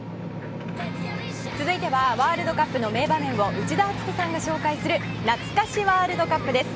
続いてはワールドカップの名場面を内田篤人さんが紹介するなつか史ワールドカップです。